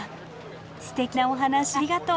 すてきなお話ありがとう。